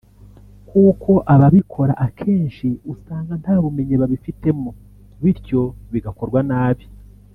kuko ababikora akenshi usanga nta bumenyi babifitemo bityo bigakorwa nabi